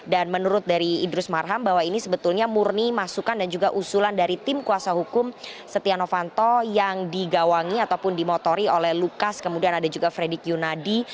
menurut dari idrus marham bahwa ini sebetulnya murni masukan dan juga usulan dari tim kuasa hukum setia novanto yang digawangi ataupun dimotori oleh lukas kemudian ada juga fredrik yunadi